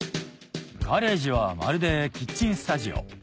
ガレージはまるでキッチンスタジオ